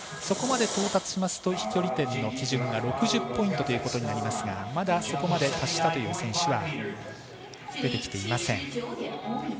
そこまで到達しますと飛距離点の基準が６０ポイントということになりますがまだ、そこまで達したという選手は出てきていません。